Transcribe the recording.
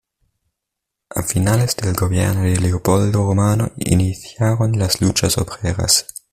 A finales del gobierno de Leopoldo Romano, iniciaron las luchas obreras.